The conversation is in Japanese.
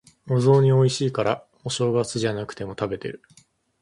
お雑煮美味しいから、お正月じゃなくても食べてる。